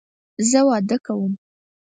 زه واده کوم